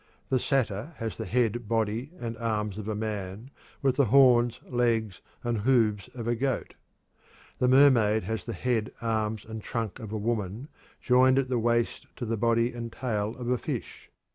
The satyr has the head, body, and arms of a man, with the horns, legs, and hoofs of a goat. The mermaid has the head, arms, and trunk of a woman, joined at the waist to the body and tail of a fish.